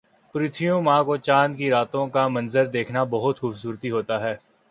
پرتھویں ماہ کو چاند کی راتوں کا منظر دیکھنا بہت خوبصورتی ہوتا ہے